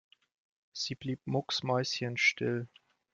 Sie blieb mucksmäuschenstill.